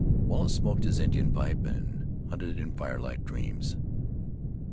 Wallace smoked his Indian pipe and hunted in firelit dreams.